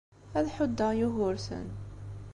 Ad ḥuddeɣ Yugurten.